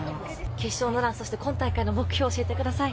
決勝のラン、そして今大会の目標教えてください。